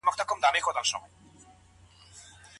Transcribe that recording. ابن عابدين د ښځو د وتلو په اړه څه فرمايلي دي؟